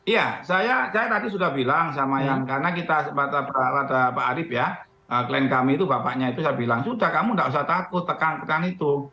iya saya tadi sudah bilang sama yang karena kita ada pak arief ya klien kami itu bapaknya itu saya bilang sudah kamu tidak usah takut tekan tekan itu